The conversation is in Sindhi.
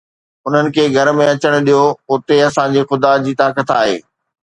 انهن کي گهر ۾ اچڻ ڏيو، اتي اسان جي خدا جي طاقت آهي